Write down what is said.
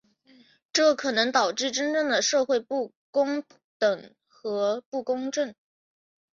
这可能导致真正的社会不平等和不公正。